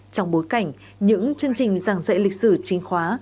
trong bối cảnh những chương trình giảng dạy lịch sử chính khóa